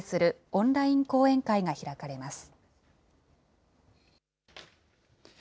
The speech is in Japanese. オンライン講演会が開かれます。